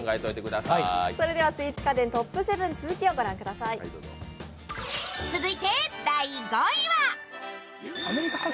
それではスイーツ家電トップ７、続きを御覧ください。